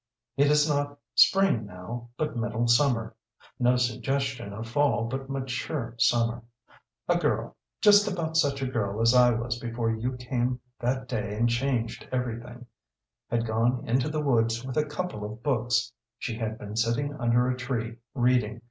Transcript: It is not spring now, but middle summer; no suggestion of fall, but mature summer. A girl just about such a girl as I was before you came that day and changed everything had gone into the woods with a couple of books. She had been sitting under a tree, reading.